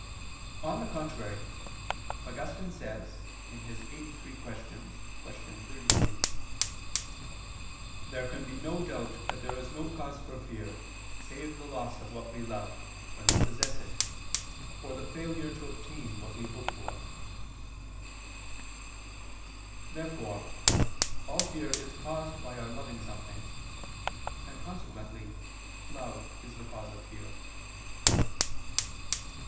On the contrary, Augustine says (QQ. 83, qu. 33): "There can be no doubt that there is no cause for fear save the loss of what we love, when we possess it, or the failure to obtain what we hope for." Therefore all fear is caused by our loving something: and consequently love is the cause of fear.